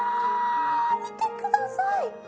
見てください！